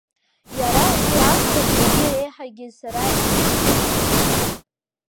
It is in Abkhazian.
Иара убри акәхеит зегь реиҳагьы сара исцәыхьанҭахаз.